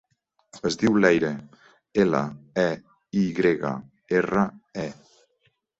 Es diu Leyre: ela, e, i grega, erra, e.